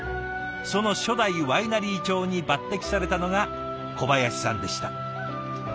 その初代ワイナリー長に抜てきされたのが小林さんでした。